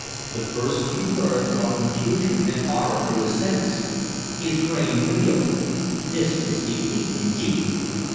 The first few words brought confusion and horror to his sense. His brain reeled. This was defeat, indeed!